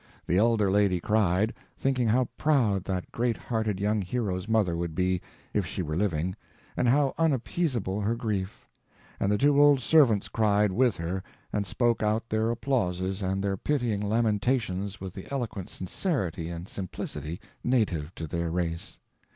The elder lady cried, thinking how proud that great hearted young hero's mother would be, if she were living, and how unappeasable her grief; and the two old servants cried with her, and spoke out their applauses and their pitying lamentations with the eloquent sincerity and simplicity native to their race.